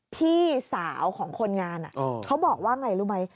พี่สาวของคนงานเขาบอกว่าไงรู้ไหม